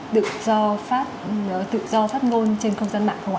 tự do phát ngôn trên không gian mạng không ạ